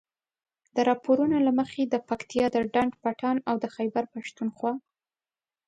د راپورونو له مخې د پکتیا د ډنډ پټان او د خيبر پښتونخوا